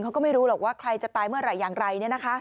เขาก็ไม่รู้หรอกว่าใครจะตายเมื่อไหร่อย่างไร